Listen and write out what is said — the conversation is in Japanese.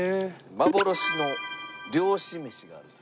幻の漁師めしがあるという事で。